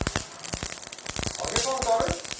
揚げパンってあれ？